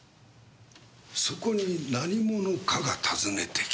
そこに何者かが訪ねてきた。